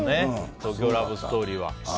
「東京ラブストーリー」は。